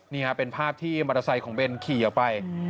นี่ครับเป็นภาพที่มอเตอร์ไซค์ของเบนขี่ออกไป